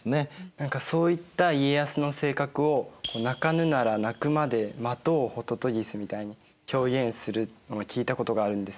何かそういった家康の性格を「鳴かぬなら鳴くまで待とうほととぎす」みたいに表現するのを聞いたことがあるんですけど。